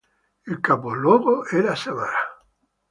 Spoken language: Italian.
Il capoluogo era Samara.